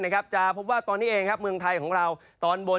นะครับจะพบว่าตอนนี้เองครับเมืองไทยของเราตอนบน